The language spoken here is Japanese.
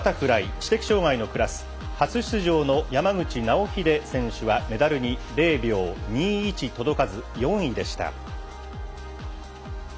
知的障がいのクラス初出場の山口尚秀選手はメダルに０秒２１届かず４位でした。